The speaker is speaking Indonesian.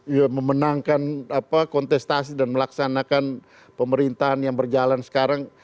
ya memenangkan kontestasi dan melaksanakan pemerintahan yang berjalan sekarang